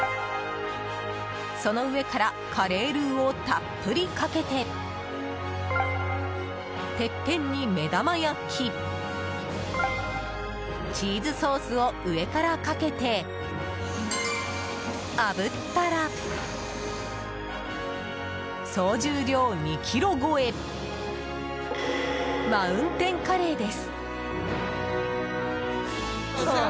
その上からカレールーをたっぷりかけててっぺんに目玉焼きチーズソースを上からかけて、あぶったら総重量２ｋｇ超えマウンテンカレーです。